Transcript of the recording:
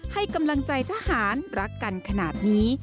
ให้กำลังใจทหารรักกันขนาดนี้